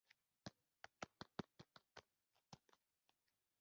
Ahagarara l aho maze umucyo umurika mu kumba petero